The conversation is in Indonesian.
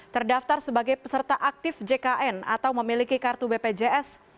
terdaftar sebagai peserta aktif jkn atau memiliki kartu bpjs